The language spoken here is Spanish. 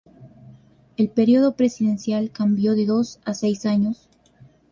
El período presidencial cambió de dos a seis años.